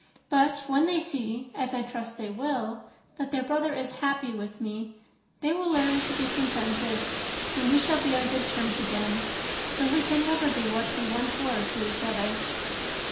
But when they see, as I trust they will, that their brother is happy with me, they will learn to be contented, and we shall be on good terms again: though we can never be what we once were to each other."